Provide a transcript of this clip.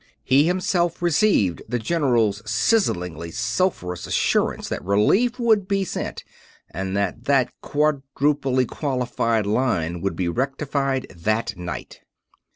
He himself received the General's sizzlingly sulphurous assurance that relief would be sent and that that quadruply qualified line would be rectified that night.